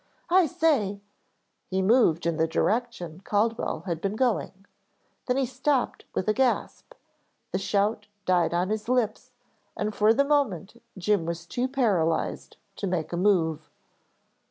"I say " He moved in the direction Caldwell had been going, then he stopped with a gasp, the shout died on his lips and for the moment Jim was too paralyzed to make a move.